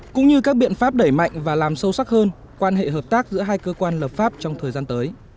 cũng như các biện pháp đẩy mạnh và làm sâu sắc hơn quan hệ hợp tác giữa hai cơ quan lập pháp trong thời gian tới